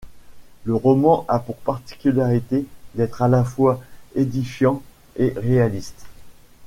Le roman a pour particularité d'être à la fois édifiant et réaliste.